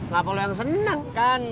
gapal yang seneng kan